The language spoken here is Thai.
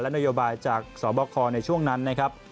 นโยบายจากสบคในช่วงนั้นนะครับ